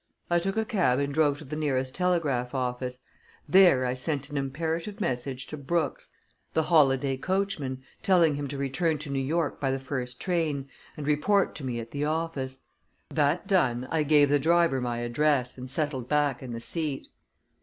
I took a cab and drove to the nearest telegraph office. There I sent an imperative message to Brooks, the Holladay coachman, telling him to return to New York by the first train, and report to me at the office. That done, I gave the driver my address and settled back in the seat.